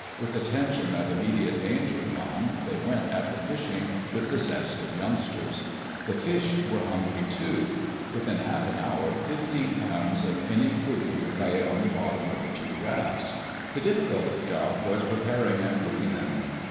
With the tension of immediate danger gone, they went at the fishing with the zest of youngsters. The fish were hungry, too. Within half an hour fifteen pounds of finny food lay on the bottom of the two rafts. The difficult job was preparing and cooking them.